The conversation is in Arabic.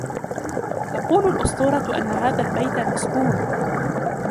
تقول الاسطورة أن هذا البيت مسكون.